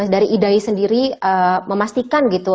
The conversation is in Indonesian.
dari idai sendiri memastikan gitu